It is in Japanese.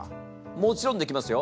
もちろんできますよ。